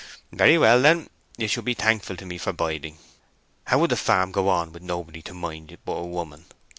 "Very well, then; you should be thankful to me for biding. How would the farm go on with nobody to mind it but a woman?